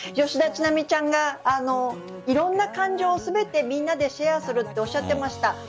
吉田知那美ちゃんがいろんな感情を全てみんなでシェアするとおっしゃっていました。